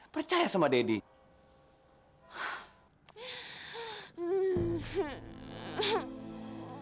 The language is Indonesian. percaya sama daddy